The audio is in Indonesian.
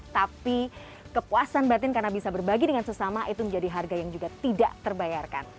tapi kepuasan batin karena bisa berbagi dengan sesama itu menjadi harga yang juga tidak terbayarkan